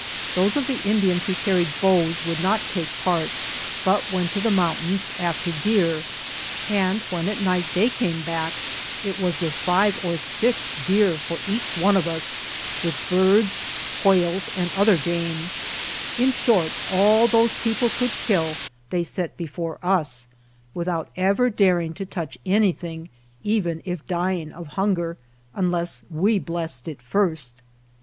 46 Those of the Indians who carried bows would not take part, but went to the mountains after deer, and when at night they came back it was with five or six deer for each one of us, with birds, quails, and other game ; in short, alt those people could kill they set before us, without ever daring to touch anything, even if dying of hunger, unless we blessed it first.